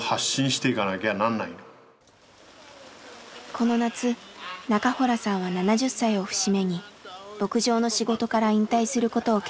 この夏中洞さんは７０歳を節目に牧場の仕事から引退することを決意。